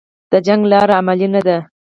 د جنګ لاره عملي نه ده